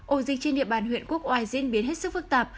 ổ dịch trên địa bàn huyện quốc oai diễn biến hết sức phức tạp